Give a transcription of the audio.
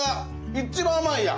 一番甘いやん！